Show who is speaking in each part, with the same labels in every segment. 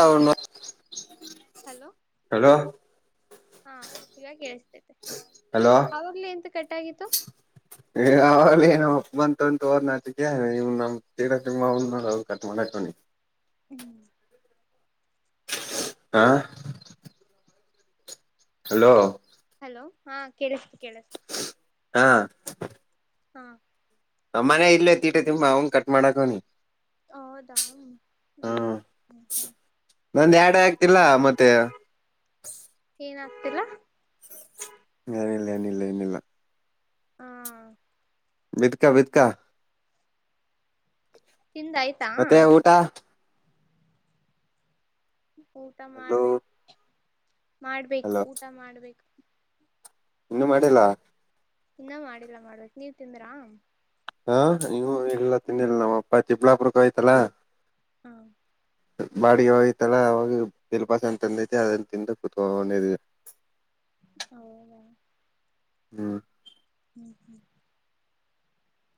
Speaker 1: ಹೌನು
Speaker 2: hello
Speaker 1: hello
Speaker 2: ಹಾ ಇವಾಗ ಕೇಳಿಸ್ತಾಯಿದೆ
Speaker 1: ಹಲೋ. [inaudible] ಒಂದುತ್ ಒಂತ ವರ್ ನಾಟಿಗೆ್ ನಮ ಸೀರಾ ಸಿ ಕಟ್ ಮಾಡಕಿ [inaudible]
Speaker 2: ಹ್ಮ್.
Speaker 1: ಹಾ. ಹಲೋ.
Speaker 2: ಹಲೋ ಹಾ ಕೇಳಿಸ್ತು. ಕೇಳಿಸ್ತು
Speaker 1: ಹಾ.
Speaker 2: ಹಾ.
Speaker 1: ನಮ್ಮನೆ ಇಲ್ಲೇ ಅತ್ತಿ ತೀಟ ತಿುಂಬಾ ಅವಂಗ ಕಟ್ ಮಾಡಾಕವಣಿ.
Speaker 2: ಹೌದಾ ಹ್ಮ್ ಹ್ಮ ಹ್ಮ
Speaker 1: ನಂದ್ ಯಾಡ ಆಗ್ತಿಲ್ಲ ಮತ್ತೆ
Speaker 2: ಏನಾ. ಇಲ್ಲ.
Speaker 1: ಹ ಏನಿಲ್ಲ ಏನಿಲ್ಲ ಏನಿಲ್ಲಾ.
Speaker 2: ಹಾ.
Speaker 1: ಬಿತ್ಕಾ ಬಿತ್ಕಾ.
Speaker 2: ತಿಂದ ಆಯ್ತಾ.
Speaker 1: ಮತ್ತೆ ಊಟ
Speaker 2: ಹ್ಮ್ ಊಟ
Speaker 1: ಹಲೋ
Speaker 2: ಮಾಡ್ಬೇಕು. ಮಾಡ್ಬೇಕು,
Speaker 1: ಹಲೋ
Speaker 2: ಊಟ ಮಾಡ್ಬೇಕು.
Speaker 1: ಇನ್ನು ಮಾಡಿಲ್ಲ.
Speaker 2: ಇನ್ನ ಮಾಡಿಲ್ಲ ಮಾಡ್ಬೇಕು, ನೀವ್ ತಿಂದ್ರಾ?
Speaker 1: ಹಾ ಇವು ಇಲ್ಲಾ ತಿನ್ನಿಲ್ಲ ನಮ್ ಅಪ್ಪ ಚಿಕ್ಬಳ್ಳಾಪುರಕ್ ಹೋಗೈತಲ.
Speaker 2: ಹ್ಮ
Speaker 1: ಬಾಡಿಗೆ ಹೋಗೈತಲ ಅವಾಗ ದಿಲ್ಪಸನ್ ತಂದೈತಿ ಅದನ್ ತಿಂದು ಕುತ್ಕೊಂಡ ಇದಿವಿ.
Speaker 2: ಹೌದಾ
Speaker 1: ಹ್ಮ್
Speaker 2: ಹ್ಮ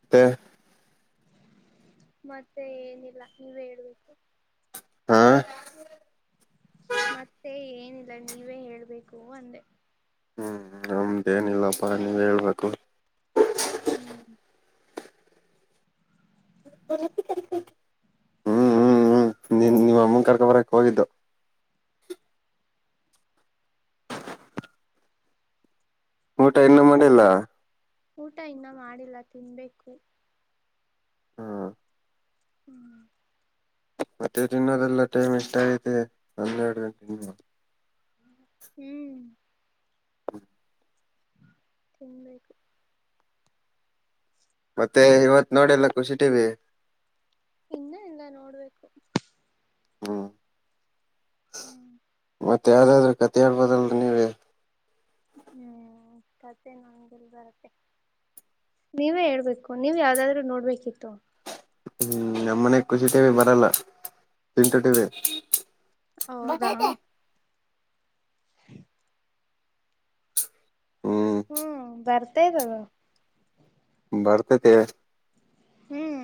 Speaker 1: ಮತ್ತೆ
Speaker 2: ಮತ್ತೆ ಏನಿಲ್ಲ ನೀವ್ ಹೇಳ್ಬೇಕು.
Speaker 1: ಹಾ
Speaker 2: ಮತ್ತೆ ಏನಿಲ್ಲ ನೀವೇ ಹೇಳ್ಬೇಕು ಅಂದೆ.
Speaker 1: ಹ್ಮ್ ನಮ್ದ್ ಏನಿಲ್ಲಪ್ಪಾ ನೀವೆ ಹೇಳ್ಬೇಕು.
Speaker 2: ಹ್ಮ್
Speaker 1: [unintelligible] ಹ್ಮ್ ಹ್ಮ್ ಹ್ಮ್ ನಿನ್ ನಿಮ್ ಅಮ್ಮನ್ ಕರ್ಕಬರಕ್ ಹೋಗಿದ್ದು ಊಟ ಇನ್ನು ಮಾಡಿಲ್ಲ
Speaker 2: ಊಟ ಇನ್ನ ಮಾಡಿಲ್ಲ ತಿನ್ಬೇಕು.
Speaker 1: ಹ್ಮ್
Speaker 2: ಹ್ಮ್
Speaker 1: ಮತ್ತೆ ತಿನ್ನೋದೆಲ್ಲ ಟೈಮ್ ಎಷ್ಟ್ ಆಗೈತೆ, ಹನ್ನೆರ್ಡ್ ಗಂಟೆ
Speaker 2: ಹ್ಮ್ ತಿನ್ಬೇಕು.
Speaker 1: ಮತ್ತೆ ಇವತ್ ನೋಡಿಲ್ಲ ಕುಷಿ ಟಿವಿ
Speaker 2: ಇನ್ನ ಇಲ್ಲ ನೋಡ್ಬೇಕು
Speaker 1: ಹ್ಮ
Speaker 2: ಹ್ಮ್
Speaker 1: ಮತ್ತೆ ಯಾವ್ದಾದ್ರು ಕತೆ ಹೇಳ್ಬೋದಲ್ರಿ ನೀವೇ
Speaker 2: ಹ್ಮ್ ಕತೆೆ ನಂಗೆಲ್ ಬರತ್ತೆ, ನೀವೇ ಹೇಳ್ಬೇಕು ನೀವ್ ಯಾವ್ದಾದ್ರೂ ನೋಡ್ಬೇಕಿತ್ತು.
Speaker 1: ಹ್ಮ್ ನಮ್ ಮನೆಗ್ ಕುಷಿ ಟಿವಿ ಬರಲ್ಲ ತ, ಚಿಂಟು ಟಿವಿ
Speaker 2: ಹೌದಾ ಹ್ಮ
Speaker 1: ಹ್ಮ್
Speaker 2: ಹು ಬರ್ತ್ ತೈತ್ ಅದು
Speaker 1: ಬರ್ತೈತೆ
Speaker 2: ಹ್ಮು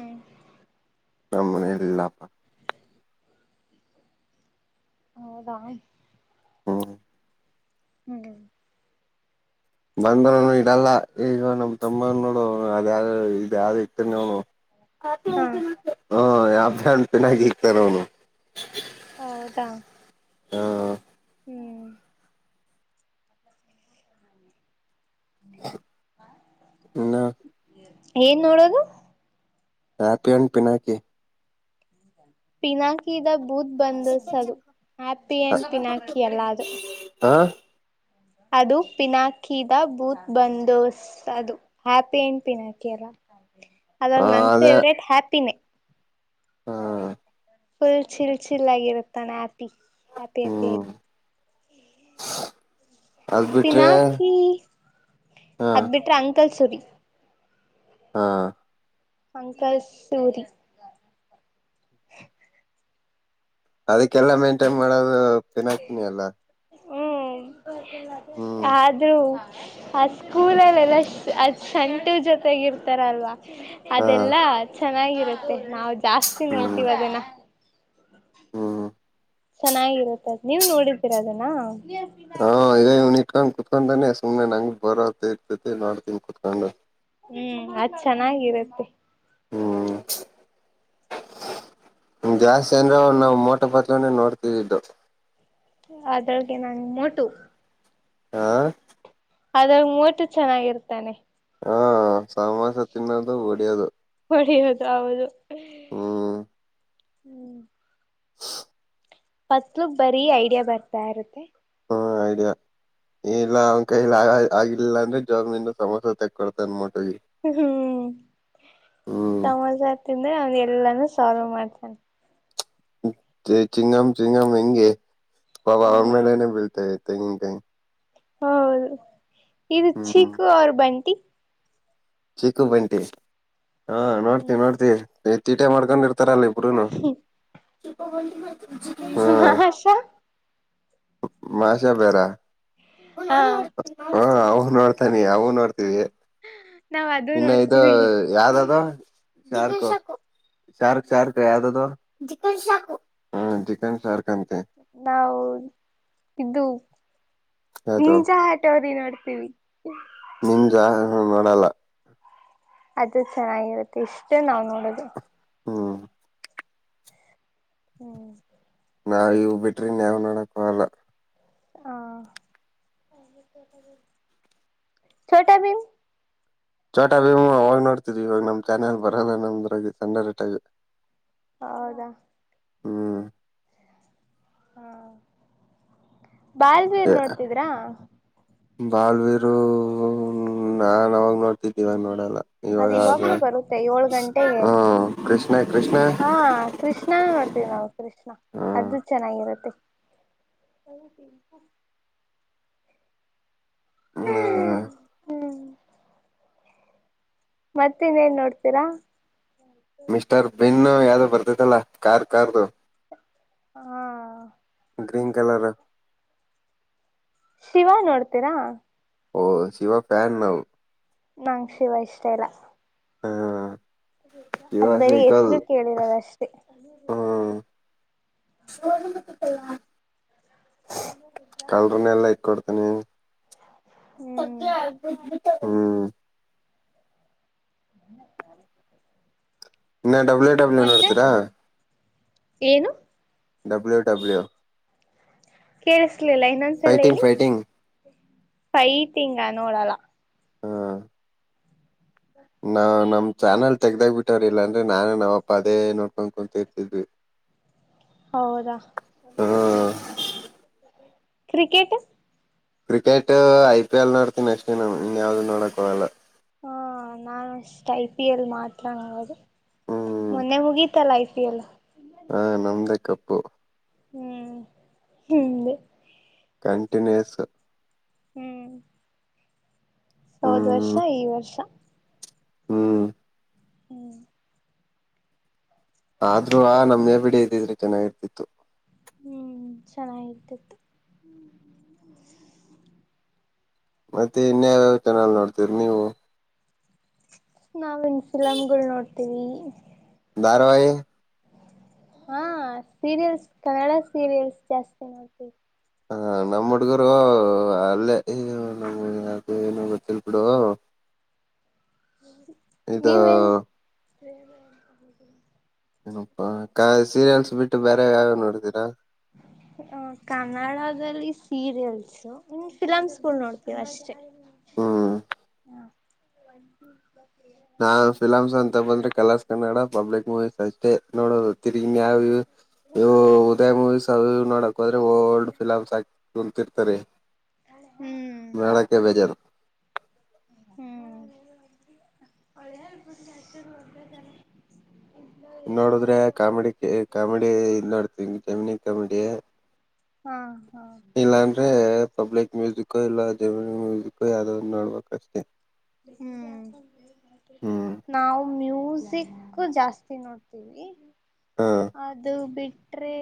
Speaker 1: ನಮ್ ಮನೆಲ್ ಇಲ್ಲಪ್ಪ
Speaker 2: ಹೌದ
Speaker 1: ಹ್ಮು
Speaker 2: ಹ್ಮ
Speaker 1: ಬಂದ್ರನು ಇಡಲ್ಲ, ಈಗ ನಮ್ ತಮ್ಮ ನೋಡು ಅದ ಇದ ಯಾವ್ದೊ ಇಕ್ತನ್ ಅವ್ನು
Speaker 2: ಹಾ
Speaker 1: [unintelligible] ಹು ಯಾ ಮಧ್ಯಾಹ್ ಚೆನ್ನಾಗಿ ಇಕ್ತಾನ ಅವನು [unintelligible]
Speaker 2: ಹೌದಾ
Speaker 1: ಹಾ
Speaker 2: ಹ್ಮ್
Speaker 1: ನ
Speaker 2: ಏನ್ ನೋಡೋದು
Speaker 1: ಹ್ಯಾಪಿ ಅಂ ಪಿನಾಕಿ
Speaker 2: ಪಿನಾಕದ ಬುದ್ಧ ಬಂದು ಸದು ಹಪಿ
Speaker 1: ಹ
Speaker 2: ಅಂತ ತಿಿನಾಕಿ ಎಲ್ಲ ಅದು
Speaker 1: ಹ
Speaker 2: ಅದು ಪಿನಾಕಿಿದ ಬೂತ್ ಬಂದಸ್ ಅದು ಹ್ಯಾಪಿ ಅಂಡ್ ಪಿನಾಕಿ ಅಲ್ಲ ಅಾಗ ನನ್ ಫವ್ರೇಟ್ ಹ್ಯಾಪಿನೆ
Speaker 1: ಹ್ಮ
Speaker 2: ಫುಲ್ ಚಛಲ್ ಛಲ್ ಆಗಿರುತ್ತಣೆ ಆ ಹಪಿ
Speaker 1: ಹ್ಮ್
Speaker 2: ಅಫೇರ್
Speaker 1: ಅದ್ ಬಿಟ್ರೆ
Speaker 2: ಪಿನಾಕಿ
Speaker 1: ಹ
Speaker 2: ಅದ್ ಬಿಟ್ರೆ ಅಂ ಕಲ್ಸುರಿ
Speaker 1: ಹಾ
Speaker 2: ಪಂಕಾಜ್ ಸೂರಿ
Speaker 1: ಅದಕ್ಕೆಲ್ಲಾ ಮೇಂಟೈನ್ ಮಾಡದು ಚೆನ್ನಕಿನಿ ಅಲ್ಲ
Speaker 2: ಹ್ಮ್
Speaker 1: ಹ್ಮ್
Speaker 2: ಆದ್ರೂ ಆ ಸ್ಕೂಲಲ್ಲೆಲ್ಲ ಅದ್ ಸಂಟು ಜೊತೆಗ ಇರ್ತಾರಲ್ವಾ
Speaker 1: ಹಾ
Speaker 2: ಅದೆಲ್ಲ ಚೆನ್ನಾಗಿರುತ್ತೆ ನಾವು ಜಾಸ್ತಿ ನಡ್ತಿೀವ ಅದನ
Speaker 1: ಹ್ಮ ಹ್ಮ
Speaker 2: ಚೆನ್ನಾಗಿರುತ್ತದ ನೀವ್ ನೋಡಿದ್ದೀರಾ ಅದನಾ
Speaker 1: ಹಾ ಇದ ಕಾಣ್ಕ ಕತ್ಕೊಂಡಾನೆ ಸುಮ್ನೆ ನಂಗ್ ಬರೋ ಇರ್ತತಿ ನೋಡ್ತೀನ್ ಕುೂತ್ಕೊಂಡು
Speaker 2: ಹ್ಮ್ ಅದ್ ಚೆನ್ನಾಗಿರತ್ತೆ
Speaker 1: [inaudible] ಹ್ಮ್ ಜಾಸ್ತಿ ಅಂದ್ರ ನಾವವು ಮೋಟಪತ್ರನ ನೋಡ್ತಿದ್ದಿದ್ದು
Speaker 2: ಅದ್ರೊಗೆ ನಂ ಮೋಟು
Speaker 1: ಆಾ
Speaker 2: ಅದ್ರ ಮೂಟ ಚೆನ್ನಾಗಿರ್ತಾನೆ
Speaker 1: ಹಾ ಸಮಾಮಾಸ ತಿನ್ನದು ಡೆಯದು
Speaker 2: ಹೌದು ಹೊಡಿಯೋದು ಹ ಹ್ಮ್
Speaker 1: [inaudible]
Speaker 2: ಪತ್ಲಗ್ ಬರೀ ಐಡಿಯಾ ಬರ್ತಾ ಇರುತ್ತೆ
Speaker 1: ಹ್ಮ ಐಡಿಯಾ ಇಲ್ಲ ಅವನ್ ಕೈಲಿ ಆ ಆಗಿಲ್ಲ ಅಂದ್ರೆ ಜಾಮಿಂದ ಸಮೋಸೆ ತೆಗೊಡ್ತನ್ಮಟ್ಟ
Speaker 2: ಹ್ಮ್
Speaker 1: ಹ್ಮ್
Speaker 2: ತಮ್ಮಜಾ ತಿಂದ್ರೆ ಅವನ್ ಎಲ್ಲಾನು ಸಾಲ್ವ್ ಮಾಡ್ತಾನ
Speaker 1: ಚಿಂಗಮ ಚಿಂಗಮ ಹೆೇಗೆ ಬ ಅವನ್
Speaker 2: ಹ್ಮ್
Speaker 1: ಮೇಲೆನೆ ಬೀಳ್ತಾ ತಗಂಟಾಯ
Speaker 2: ಹೌದು ಇದು ಚಿಕ್ಕು ಅವ್ರ ಬಂಟಿ
Speaker 1: ಚಿಕ್ಕುಬಂಟಿ ಹಾ ನೋಡ್ತವಿ ನೋಡ್ತಿವಿ ಟ ಮಾಡ್ಕೊಂಡಿತ ತರಲ್ಲ ಪರಣ ಕಗಗ
Speaker 2: ಹ್ಮ ಹಷಾ
Speaker 1: ಮಾಷಾ ಬರ ಹ
Speaker 2: ಹಾ
Speaker 1: ನಾನ ಮಾಡ ಹಾ ಅವ್ ನೋಡ್ತಾನಿ ಅವವು ನೋಡ್ತೀವಿ
Speaker 2: ನಾವ್ ಅದು
Speaker 1: ಇನ್ನು ಇದು
Speaker 2: ನೋಡ್ತೀವಿ
Speaker 1: ಯಾವ್ದದು ಶಾರ್ಕ ಶಾರ್ಕ್ ಶಾರ್ಕ್ ಯಾದದು ಚ ಶಾರ್ ಹ್ಮ ಚಿಕನ್ ಶಾರ್ಕ್ ಅಂತೆ
Speaker 2: ನಾವು್ ಇದ್ದು
Speaker 1: ಯಾವ್ದು
Speaker 2: ನೀನ್ಸಟೋರಿ ನೋಡ್ತೀವಿ
Speaker 1: ಹ್ಮ ನೋಡಲ್ಲ
Speaker 2: ಅದು ಚೆನ್ನಾಗಿರುತ್ತೆ ಇಷ್ಟೇ ನಾವ್ ನೋಡುದು
Speaker 1: ಹ್ಮ
Speaker 2: ಹ್ಮ್
Speaker 1: ನಾವ್ ಇವ ಬಿಟ್ರಿನ್ಾವ್ ನೋಡಕಲ್ಲ
Speaker 2: ಹ ೋಟಾ ಭೀಮ
Speaker 1: ಚೋಟ ಭೀಮ ಅವಾಗ ನೋಡ್ತಿದ್ರಿ ಇವಾಗ ನಮ್ ಚಾನೆಲ್ ಬರಲ್ಲ ನಮ್ದು ಗೆ ತಂಡಟ್ಟ ಇವೆ
Speaker 2: ಹೌದಾ
Speaker 1: ಹ್ಮ್
Speaker 2: ಹಾ ಬಾಲ್ವೀರ್ ನೋಡ್ತಿದ್ರಾ
Speaker 1: ಬಾಲ್ವೀರು ನಾನ್ ಅವಾಗ ನೋಡ್ತಿದ್ದೀವ ನೋಡಲ್ಲ
Speaker 2: ಅದ್
Speaker 1: ಇವಾಗ
Speaker 2: ಇವಾಗ್ಲು ಬರುತ್ತೆ ಏಳ್ ಗಂಟೆಗೆ,
Speaker 1: ಹ್ಮ್ ಕೃಷ್ಣ ಕೃಷ್ಣ
Speaker 2: ಹಾ ಕೃಷ್ಣ ನೋಡ್ತೀವಿ ನಾವು ಕೃಷ್ಣ
Speaker 1: ಹ್ಮ್
Speaker 2: ಅದು ಚೆನ್ನಾಗಿರುತ್ತೆ ಸೌ [inaudible]
Speaker 1: ಹ್ಮ
Speaker 2: ಹ್ಮ್ ಮತ್ ಇನ್ನೇನ್ ನೋಡ್ತೀರ?
Speaker 1: ಮಿಸ್ಟರ್ ಬೆನ್ನು ಯಾವ್ದೋ ಬರ್ತಯ್ತಲ್ಲ ಕಾರ್ ಕಾರ್ದು
Speaker 2: ಹಾ
Speaker 1: ಗ್ರೀನ್ ಕಲರ್ರು
Speaker 2: ಶಿವ ನೋಡ್ತೀರಾ
Speaker 1: ಓ ಶಿವ ಫ್ಯಾನ್ ನಾವು
Speaker 2: ನಂಗ್ ಶಿವ ಇಷ್ಟ ಇಲ್ಲ
Speaker 1: ಹಾ
Speaker 2: ಅದ್ ಬರಿ ಹೆಸ್ರು ಕೇಳಿರೋದಷ್ಟೇ
Speaker 1: ಹ್ಮ್ [unintelligible] [unintelligible]
Speaker 2: [inaudible] ಹ್ಮ್
Speaker 1: [unintelligible] ಹ್ಮು
Speaker 2: [inaudible]
Speaker 1: ಇನ್ನ ಡಬ್ಲ್ಯೂ ಡಬ್ಲ್ಯೂ
Speaker 2: ಮತ್ತೆ
Speaker 1: ನೋಡ್ತೀರಾ
Speaker 2: ಏನು
Speaker 1: ಡಬ್ಲ್ಯೂ ಡಬ್ಲ್ಯೂ
Speaker 2: ಕೆಳ್ಸ್ ಸ್ಲಿಲ್ಲ ಇನ್ನೊಂದ್ಸಲ
Speaker 1: ಫೈಟಿಂಗ್
Speaker 2: ಹೇಳಿ
Speaker 1: ಫೈಟಿಂಗ್
Speaker 2: ಫೈಟಿಂಗ ನೋಡಲ್ಲ
Speaker 1: ಹಾ ನಾ ನಮ್ ಚಾನಲ್ ತೆಗ್ದಾಕ್ ಬಿಟ್ಟವ್ರೆ ಇಲ್ಲಾಂದ್ರೆ ನಾನು ನಮಪ್ಪ ಅದೇ ನೋಡ್ಕೊಂಡ್ ಕುಂತಿರ್ತಿದ್ವಿ
Speaker 2: ಹೌದಾ
Speaker 1: ಹ್ಮ್
Speaker 2: cricket?
Speaker 1: Cricket I P L ನೋಡ್ತೀನ್ ಅಷ್ಟೆ ನಾನ್ ಇನ್ ಯಾವ್ದು ನೋಡಕ್ ಹೋಗಲ್ಲ
Speaker 2: ಹಾ ನಾನು ಅಷ್ಟೆ ಐ ಪಿ ಎಲ್ ಮಾತ್ರ ನೋಡೋದು
Speaker 1: ಹ್ಮ್
Speaker 2: ಮೊನ್ನೆ ಮುಗಿತಲ್ಲ ಐ ಪಿ ಎಲ್
Speaker 1: ಹಾ ನಮ್ದೆ ಕಪ್ಪು
Speaker 2: [unintelligible]
Speaker 1: ಕಂಟಿನ್ಯೂಯಸ್ಸು
Speaker 2: ಹ್ಮ ವರ್ಷ
Speaker 1: ಹ್ಮ
Speaker 2: ಹ್ಮ
Speaker 1: ಆದ್ರೂ ಆ ನಮ್ಮ್ನೆ ಬಿಡ ಇದ್ದಿದ್ರೆ ಚೆನ್ನಾಗಿರ್ತಿತ್ತು
Speaker 2: ಹ್ಮ್ ಚೆನ್ನಾಗಿರ್ತಿತ್ತು
Speaker 1: ಮತ್ತೆ ಇನ್ಯಾವ್ಯಾವ ಚಾನಲ್ ನೋಡ್ತೀರಿ ನೀವು
Speaker 2: ನಾವ್ ಇನ್ಸಿಲಾಮ್ಗಳು ನೋಡ್ತೀವಿ [inaudible]
Speaker 1: ಧಾರವಾಾಯಿ
Speaker 2: ಹಾ ಸೀರಿಯಲ್ಸ್ ಕನ್ನಡ ಸೀರಿಯಲ್ಸ್ ಜಾಸ್ತಿ ನೋ
Speaker 1: ಹಾ ನಮ್ಮ್ ಹುಡುಗರು ಅಲ್ಲೇ ನ ಏನು ಗೊತ್ತಿಲ್ಲಡು ಇದು
Speaker 2: ನ
Speaker 1: ನನಪ್ಪ ಸೀರಿಯಲ್ಸ್ ಬಿಟ್ಟು ಬೇರೆ ಯಾವ ನೋಡ ಇದಿನ
Speaker 2: ಹ ಕನ್ನಡದಲ್ಲಿ ಸೀರಿಯಲ್ಸ್ ಫಿಲಮ್ಸ್ ನೋಡ್ತೀವ ಅಷ್ಟೆ
Speaker 1: ಹ್ಮ್ ನಾನ್ ಫಿಲಂಸ್ ಅಂತ ಬಂದ್ರೆ ಕಲಾ ಕನ್ನಡ ಪಬ್ಲಿಕ್ ಮೂವೀಸ್ ಅಷ್ಟೇ ನೋಡದು ತಿರುಗಿ ಮಾವ ಇ ಉದಯ ಮು ಸ ನೋಡ ಹ್ರೆ ಓಲ್ಡ್ ಫಿಮ್ ಆಕಿ ಕೋಳ್ತಿರ್ತಾರೆ
Speaker 2: ಹ್ಮ್
Speaker 1: ಮೇಳಕ್ಕೆ ಬೇಜಾರ
Speaker 2: ಒಳ್ಳೆ ಅಲ್ಪ ಅಷ್ಟ ಒಂದ
Speaker 1: ನೋಡಿದ್ರೆ ಕಾಮಿಡಿ ಕಾಮಿಡಿ ಇ ನೋಡ್ತ ಜಮನಿ ಕಮಿಡಿಯ
Speaker 2: ಹಾ ಹಾ
Speaker 1: ಇಲ್ಲಾನ್್ರೆ ಸಬ್ ಲೈಕ್ ಮ್ಯೂಸಿಕ್ ಕ ಇಲ್ಲ ಜ ಕಯ ಆದ ನೋಡ್ಬೇಕು ಅಷ್ಟೇ
Speaker 2: ಹ್ಮ್
Speaker 1: ಹ್ಮ್
Speaker 2: ನಾವು ಮ್ಯೂಸ್ ಸಿಕ್ಕು ಜಾಸ್ತಿ ನೋಡ್ತೀವಿ
Speaker 1: ಹ
Speaker 2: ಅದು ಬಿಟ್ಟ ಬಿಟ್ರೆ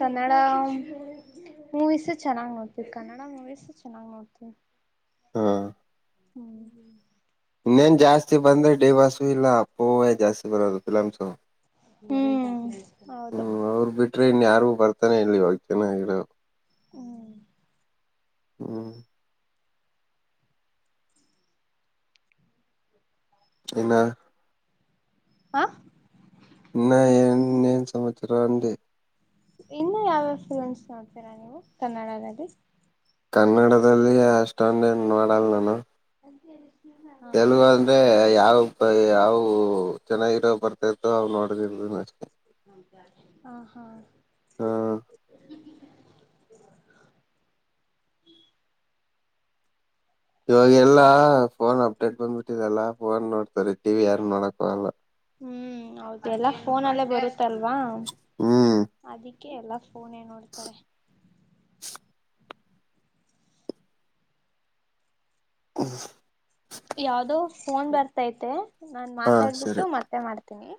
Speaker 2: ಕನ್ನಡ ಮೂವೀಸ್ ಚೆನ್ನಾಗ್ ನೋಡ್ತವಿ ಕನ್ನಡ ಮೂವೀಸ್ ಚೆನ್ನಾಗ್ ನೋಡ್ತಿವಿ
Speaker 1: ಹಾ
Speaker 2: ಹ್ಮ [inaudible]
Speaker 1: ನನ್ ಜಾಸ್ತಿ ಬಂದ್ರೆ ಡಿ ಬಾಸು ಇಲ್ಲ ಅಪ್ಪೋವ ಜಾಸ್ತಿ ಬರೋದು ಫಿಲಮ್ಸು
Speaker 2: ಹ್ಮ್ ಹೌದು
Speaker 1: ಟ್ರೈನ್ ಯಾರು ಬರ್ತಾನೆ ಇಲ್ಲಿ ಇವಾಗ ಜನ ಹೇಳ
Speaker 2: ಹ್ಮ್ [inaudible]
Speaker 1: ಹ್ಮ ಇನ್ನು
Speaker 2: ಹಾ
Speaker 1: ಇನ್ನ ಸಮಾಚಾರ
Speaker 2: ಇನ್ನು ಯಾವ್ಯಾವ ಫಿಲಂಸ್ ನೋಡ್ತೀರಾ ನೀವು ಕನ್ನಡದಲ್ಲಿ
Speaker 1: ಕನ್ನಡದಲ್ಲಿ ಅಷ್ಟೊಂದೇ ನೋಡಲ್ ನಾನು
Speaker 2: ಅ
Speaker 1: ತೆಲುಗು ಅಂದ್ರೆ ಯಾವ ಯಾವವು ಚೆನ್ನಾಗಿರೋ ಬರ್ತ ಹಾವ ನೋಡ್ ಜ
Speaker 2: ಹ ಹಾ
Speaker 1: ಹಾ ಇವಾಗ ಎಲ್ಲ ಫೋನ್ ಅಪ್ಡೇಟ್ ಬಂದ್ಬಿಟ್ಟಿದೆಲ್ಲ ಫೋನ್ ನೋಡ್ತ್ರೀ ಟಿವಿ ಯಾರ್ ನೋಡಕ ಅಲ್ಲ
Speaker 2: ಹ್ಮ್ ಹೌದು ಎಲ್ಲಾ ಫೋನ ಅಲ್ಲೇ ಬರುತ್ತಲ್ವಾ
Speaker 1: ಹ್ಮ್
Speaker 2: ಅಕೆ ಎಲ್ಲ ಫೋನ್ ಏ ನ ನೋಡ್ತಾರೆ
Speaker 1: ಹ್ಮ
Speaker 2: ಯಾವ್ದೋ ಫೋನ್ ಬರ್ತೈತೆ ನಾನ್
Speaker 1: ಹಾ
Speaker 2: ಮಾತಾಡ್ಬಿಟ್ಟು
Speaker 1: ಸರಿ
Speaker 2: ಮತ್ತೆ ಮಾಡ್ತನಿ ತನ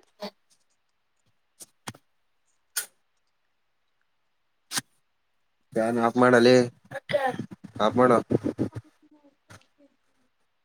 Speaker 1: ಫ್ಯಾನ್ ಆಫ್ ಮಾಡಲೇ ಆಫ್ ಮಾಡು
Speaker 2: ಹ [inaudible]